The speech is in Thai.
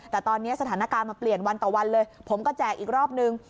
แต่ตอนนี้สถานการณ์มันเปลี่ยนวันต่อวันเลยผมก็แจกอีกรอบนึง